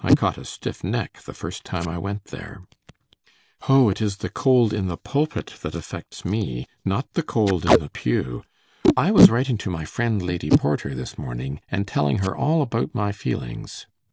I caught a stiff neck the first time I went there.' 'O, it is the cold in the pulpit that affects me, not the cold in the pew. I was writing to my friend Lady Porter this morning, and telling her all about my feelings.